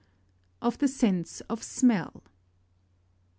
OF THE SENSE OF SMELL.